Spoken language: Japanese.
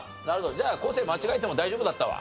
じゃあ昴生間違えても大丈夫だったわ。